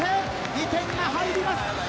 ２点が入ります。